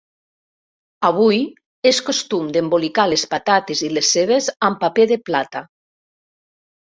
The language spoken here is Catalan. Avui, és costum d'embolicar les patates i les cebes amb paper de plata.